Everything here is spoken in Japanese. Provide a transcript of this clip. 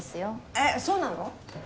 えっそうなの？